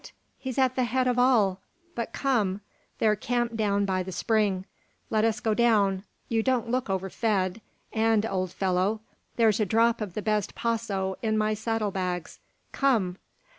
He's at the head of all. But come! they're camped down by the spring. Let us go down. You don't look overfed; and, old fellow, there's a drop of the best Paso in my saddle bags. Come!"